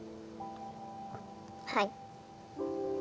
はい。